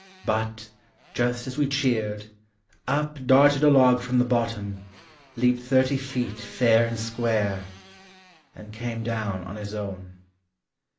But, just as we cheered, Up darted a log from the bottom, Leaped thirty feet fair and square, And came down on his own.